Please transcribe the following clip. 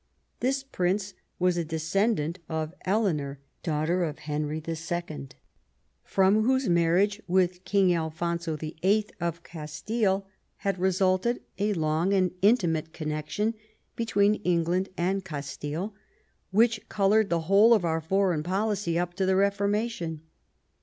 This prince was a descend ant of Eleanor, daughter of Henry 11, from whose marriage with King Alfonso VIII. of Castile had resulted a long and intimate connection between England and Castile, which coloured the whole of our foreign policy up to the Reformation.